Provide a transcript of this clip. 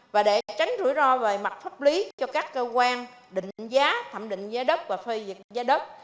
và để tránh rủi ro về mặt pháp lý cho các cơ quan định giá thẩm định giá đất và phê dịch giá đất